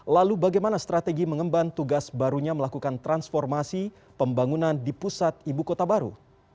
lalu bagaimana strategi mengemban tugas barunya melakukan transformasi pembangunan di pusat ibu kota baru